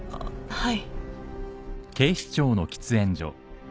はい。